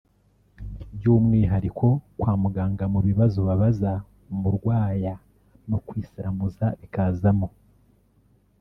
by’umwihariko kwa muganga mu bibazo babaza umurwaya no kwisiramuza bikazamo